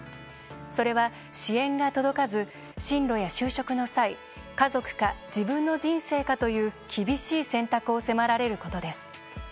それは支援が届かず進路や就職の際家族か自分の人生かという厳しい選択を迫られることです。